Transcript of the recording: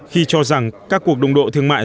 khi cho rằng các cuộc đồng độ thương mại